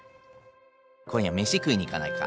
今夜飯食いに行かないか？